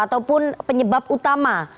ataupun penyebab utama